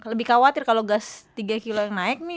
lebih khawatir kalau gas tiga kilo yang naik nih